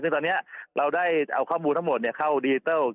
ซึ่งตอนเนี้ยเราได้เอาข้อมูลทั้งหมดเนี้ยเข้าดิจิเตอร์